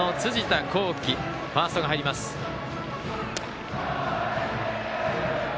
５番の辻田剛暉ファーストが入ります。